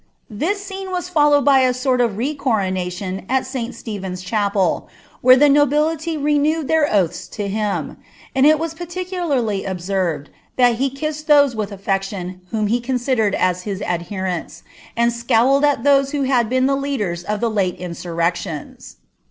This scene waa {(A lowed by a sort of re «oronation in St. Stephen's chapel, where tht Bobiliiy renewed their oaths to him ; and il was particularly observed thai he kissed those with afeciion whom he considered as hia adheretiM, and M ciw|ed on those who had been die leaders in the late insurrections.